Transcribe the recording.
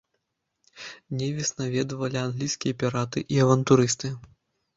Невіс наведвалі англійскія піраты і авантурысты.